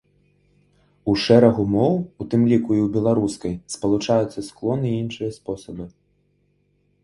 У шэрагу моў, у тым ліку і ў беларускай, спалучаюцца склоны і іншыя спосабы.